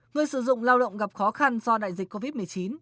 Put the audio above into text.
người sử dụng lao động gặp khó khăn do đại dịch covid một mươi chín